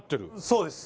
そうです。